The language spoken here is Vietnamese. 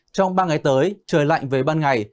trong ba ngày tới trời lạnh với ban ngày